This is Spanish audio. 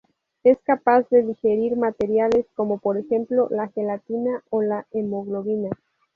Es capaz de digerir materiales, como por ejemplo la gelatina o la hemoglobina.